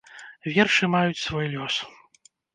Вершы маюць свой лёс.